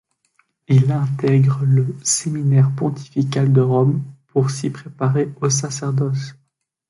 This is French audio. Il intègre le séminaire pontifical de Rome pour s'y préparer au sacerdoce.